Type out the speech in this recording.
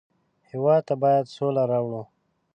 هېواد ته باید سوله راوړو